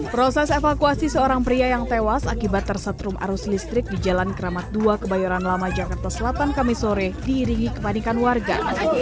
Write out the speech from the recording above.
proses evakuasi seorang pria yang tewas akibat tersetrum arus listrik di jalan keramat dua kebayoran lama jakarta selatan kamisore diiringi kepanikan warga